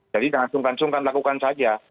jadi jangan sungkan sungkan lakukan saja